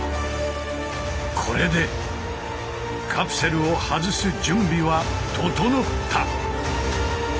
これでカプセルを外す準備は整った。